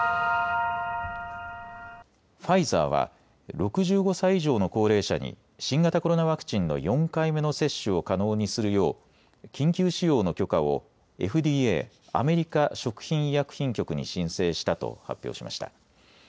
ファイザーは６５歳以上の高齢者に新型コロナワクチンの４回目の接種を可能にするよう緊急使用の許可をＦＤＡ・アメリカ食品医薬品局に申請したと発表しました。